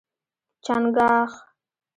🦀 چنګاښ